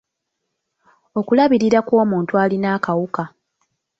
Okulabirira kw'omuntu alina akawuka.